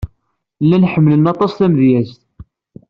Llan ḥemmlen aṭas tamedyazt.